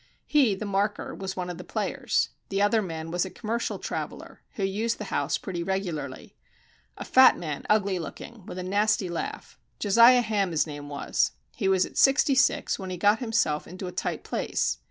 He, the marker, was one of the players. The other man was a commercial traveller, who used the house pretty regularly. "A fat man, ugly looking, with a nasty laugh. Josiah Ham his name was. He was at sixty six when he got himself into a tight place.